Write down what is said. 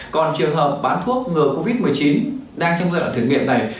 còn trường hợp bán thuốc ngừa covid một mươi chín đang trong giai đoạn thử nghiệm này